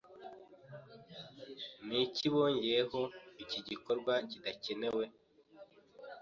Niki bongeyeho iki gikorwa kidakenewe?